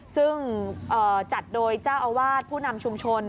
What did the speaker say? ซึ่งจัดโดยเจ้าอาวาสผู้นำชุมชน